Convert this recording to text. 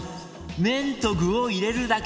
麺と具を入れるだけ！